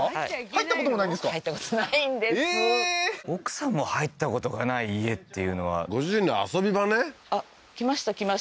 入ったことないんです奥さんも入ったことがない家っていうのはご主人の遊び場ね来ました